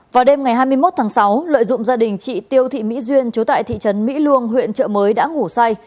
vào đêm ngày hai mươi một tháng sáu lợi dụng gia đình chị tiêu thị mỹ duyên chú tại thị trấn mỹ luông huyện trợ mới đã ngủ say